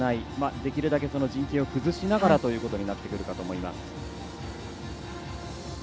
できるだけ陣形を崩しながらということになってくるかと思います。